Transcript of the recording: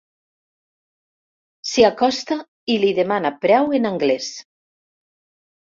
S'hi acosta i li demana preu en anglès.